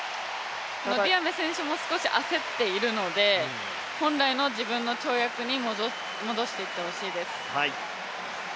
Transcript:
ディアメ選手も少し焦っているので本来の自分の跳躍に戻していってほしいです。